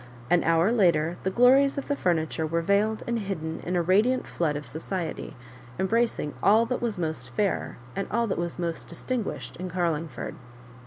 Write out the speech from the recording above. An hour later the glories of the furniture were veiled and hidden in a radiant flood of society, embracing all that was most fair and all that was most distinguished in Carlingford.